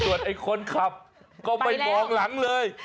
ส่วนไอ้คนขับก็ไม่มองหลังเลย